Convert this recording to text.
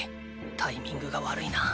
タイミングが悪いな。